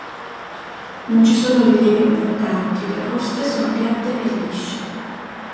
Non ci sono rilievi importanti; le coste sono piatte e lisce.